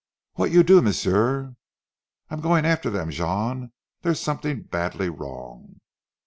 "What you do, m'sieu?" "I'm going after them, Jean. There's something badly wrong."